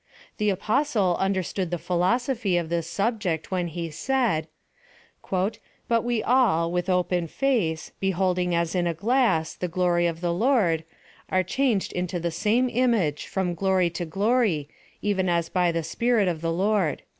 The apostle understood the philosophy of this subject when he said —" But we all, with open face, beholding as in a glass, the glory of the Lord, are changed into the same im age, from glory to glory, even as by the Spirit of the Lord.'